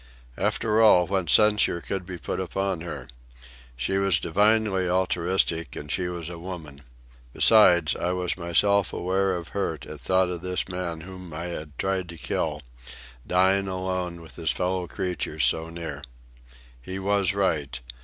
After all, what censure could be put upon her? She was divinely altruistic, and she was a woman. Besides, I was myself aware of hurt at thought of this man whom I had tried to kill, dying alone with his fellow creatures so near. He was right.